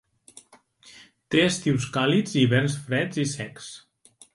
Té estius càlids i hiverns freds i secs.